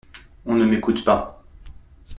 On ne m'écoute pas.